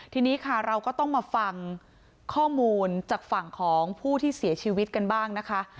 ทีนี้ค่ะเราก็ต้องมาฟังข้อมูลจากฝั่งของผู้ที่เสียชีวิตกันบ้างนะคะ